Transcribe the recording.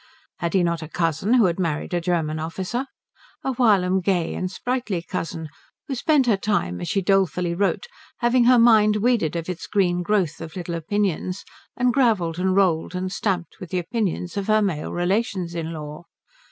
Had he not a cousin who had married a German officer? A whilom gay and sprightly cousin, who spent her time, as she dolefully wrote, having her mind weeded of its green growth of little opinions and gravelled and rolled and stamped with the opinions of her male relations in law.